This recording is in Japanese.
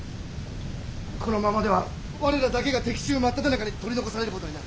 このままでは我らだけが敵中真っただ中に取り残されることになる。